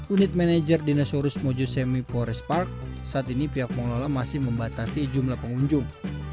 unit manajer dinosaurus mojo semi forest park saat ini pihak pengelola masih membatasi jumlah pengunjung